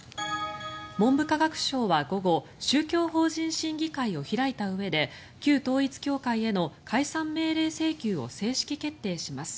文部科学省は午後宗教法人審議会を開いたうえで旧統一教会への解散命令請求を正式決定します。